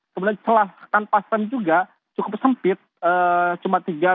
kemudian celahkan pas rem juga cukup sempit cuma tiga milimeter